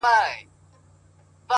هره ناکامي د زده کړې نوی باب دی’